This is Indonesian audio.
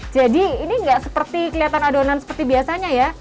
jadi ini enggak seperti kelihatan adonan seperti biasanya ya